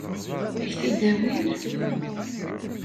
Ad k-t-id-awin?